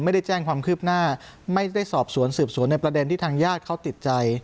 ไม่ได้แจ้งความคืบหน้าไม่ได้สอบสวนสืบสวนในประเด็นที่ทางญาติเขาติดใจ